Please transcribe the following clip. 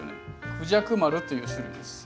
孔雀丸という種類です。